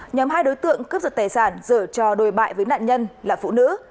nhóm hai đối tượng cướp giật tài sản dở trò đồi bại với nạn nhân là phụ nữ